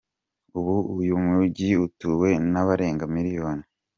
Ubu uyu mujyi utuwe n’abarenga miliyoni.